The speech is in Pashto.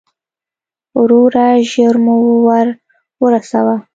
وروره، ژر مو ور ورسوه.